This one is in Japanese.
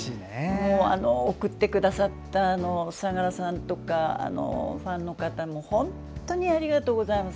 送ってくださった佐良さんとかファンの方も本当にありがとうございます。